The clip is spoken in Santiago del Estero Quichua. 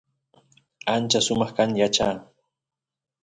ancha sumaq kan yacha